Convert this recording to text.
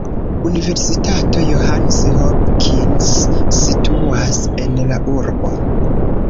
Universitato Johns Hopkins situas en la urbo.